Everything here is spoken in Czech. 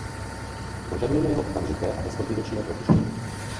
Požadujeme jeho okamžité a bezpodmínečné propuštění.